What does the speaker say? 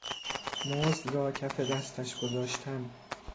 مزد را کف دستش گذاشتن